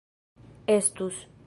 estus